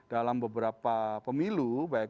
dalam beberapa pemilu